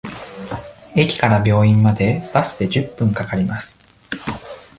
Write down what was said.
駅から病院までバスで十分かかります。